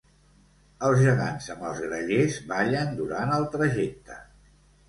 Els gegants amb els grallers ballen durant el trajecte.